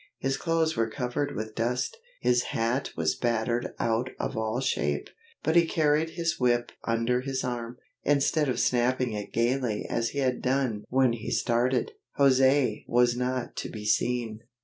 His clothes were covered with dust, his hat was battered out of all shape, and he carried his whip under his arm, instead of snapping it gayly as he had done when he started. José was not to be seen.